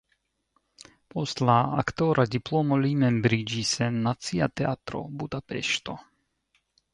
Post la aktora diplomo li membriĝis en Nacia Teatro (Budapeŝto).